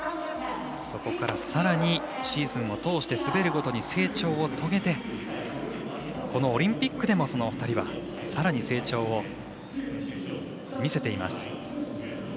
そこからさらにシーズンを通して滑るごとに成長を遂げてこのオリンピックでも、２人はさらに成長を見せています。